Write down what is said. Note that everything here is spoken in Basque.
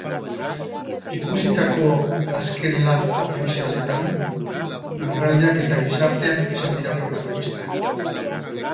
Ikusitako azken lan ofizialetan, lurraldeak eta gizarteak izan dira protagonista.